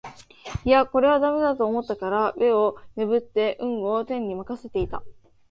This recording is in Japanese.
いやこれは駄目だと思ったから眼をねぶって運を天に任せていた